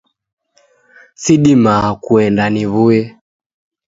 Sidimaa kuenda niw'uye.